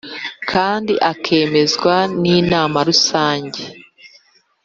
kandi akemezwa n Inama Rusange